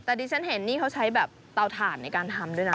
แต่ดิฉันเห็นนี่เขาใช้แบบเตาถ่านในการทำด้วยนะ